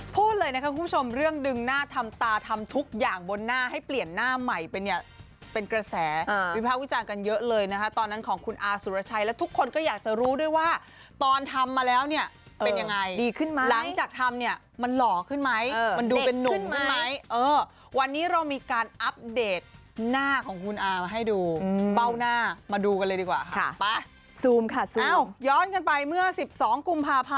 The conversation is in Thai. พูดเลยนะคะคุณผู้ชมเรื่องดึงหน้าทำตาทำทุกอย่างบนหน้าให้เปลี่ยนหน้าใหม่ไปเนี่ยเป็นกระแสวิภาควิจารณ์กันเยอะเลยนะคะตอนนั้นของคุณอาสุรชัยแล้วทุกคนก็อยากจะรู้ด้วยว่าตอนทำมาแล้วเนี่ยเป็นยังไงดีขึ้นมาหลังจากทำเนี่ยมันหล่อขึ้นไหมมันดูเป็นนุ่มขึ้นไหมเออวันนี้เรามีการอัปเดตหน้าของคุณอามาให้ดูเบ้าหน้ามาดูกันเลยดีกว่าค่ะป่ะซูมค่ะซูมย้อนกันไปเมื่อ๑๒กุมภาพ